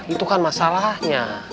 itu kan masalahnya